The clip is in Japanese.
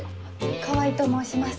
川合と申します。